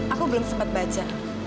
aku belum sempat baca